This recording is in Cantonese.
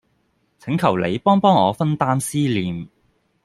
請求你幫幫我分擔思念